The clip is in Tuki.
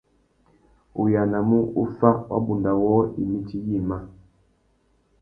U yānamú u fá wabunda wôō imití yïmá.